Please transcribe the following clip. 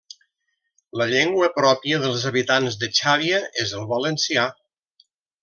La llengua pròpia dels habitants de Xàbia és el valencià.